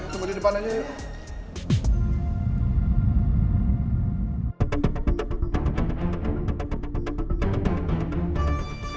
tunggu di depan aja yuk